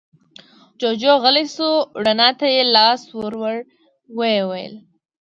جوجُو غلی شو، رڼا ته يې لاس ور ووړ، ويې ويل: